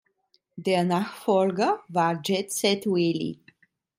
Der Nachfolger war "Jet Set Willy".